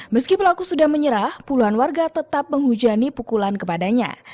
meski pelaku sudah menyerah puluhan warga tetap menghujani pukulan kepadanya